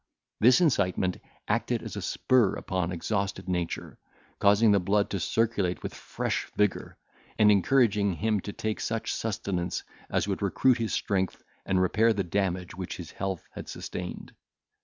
This incitement acted as a spur upon exhausted nature, causing the blood to circulate with fresh vigour, and encouraging him to take such sustenance as would recruit his strength, and repair the damage which his health had sustained.